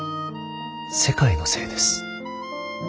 世界のせいです。